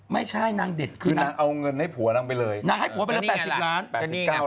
นางเอาเงินให้ผัวนางไปเลย